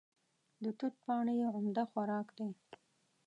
د توت پاڼې یې عمده خوراک دی.